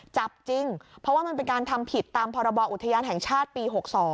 จับจริงเพราะว่ามันเป็นการทำผิดตามพรบอุทยานแห่งชาติปี๖๒